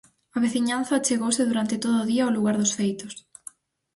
A veciñanza achegouse durante todo o día ao lugar dos feitos.